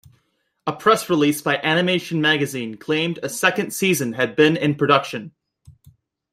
A press release by Animation Magazine claimed a second season had been in production.